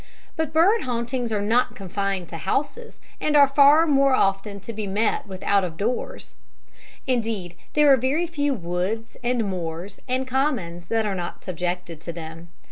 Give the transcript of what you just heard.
But bird hauntings are not confined to houses, and are far more often to be met with out of doors; indeed there are very few woods, and moors, and commons that are not subjected to them.